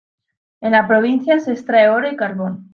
En la provincia se extrae oro y carbón.